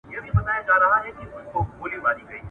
هغه د موجودو سرچينو سم استعمال ته زور ورکوي.